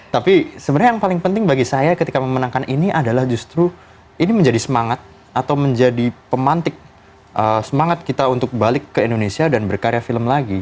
tapi sebenarnya yang paling penting bagi saya ketika memenangkan ini adalah justru ini menjadi semangat atau menjadi pemantik semangat kita untuk balik ke indonesia dan berkarya film lagi